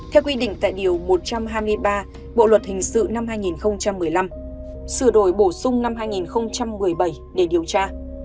theo quy định tại điều một trăm hai mươi ba bộ luật hình sự năm hai nghìn một mươi năm sửa đổi bổ sung năm hai nghìn một mươi bảy để điều tra